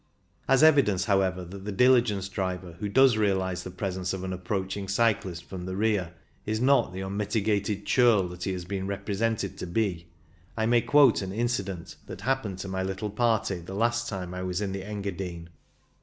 As evidence, however, that the diligence driver who does realize the presence of an approaching cyclist from the rear is not the unmitigated churl that he has been M 2o8 CYCLING IN THE ALPS represented to be, I may quote an incident that happened to my little party the last time I was in the Engadine.